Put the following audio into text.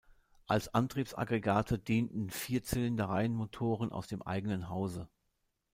Als Antriebsaggregate dienten Vier-Zylinder-Reihenmotoren aus dem eigenen Hause.